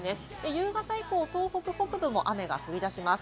夕方以降、東北北部も雨が降り出します。